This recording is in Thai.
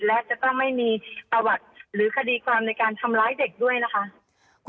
และจะต้องไม่มีประวัติหรือคดีความในการทำร้ายเด็กด้วยนะคะ